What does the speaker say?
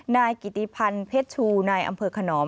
นายกิติพันธ์เพชรชูนายอำเภอขนอม